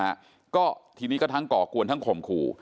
แต่ว่าไม่ยอมทีนี้กระทั้งก่อกลวนทั้งข่อมกรุ